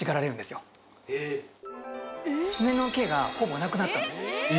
スネの毛がほぼなくなったんです。